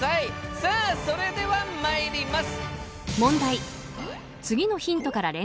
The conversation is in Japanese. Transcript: さあそれではまいります。